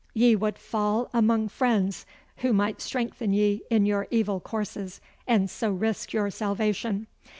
Ye would fall among friends who might strengthen ye in your evil courses, and so risk your salvation.